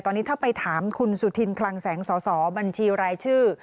ตอนนี้ถ้าไปถามคุณสุธินคลังแสงสสบัญชีรายชื่อ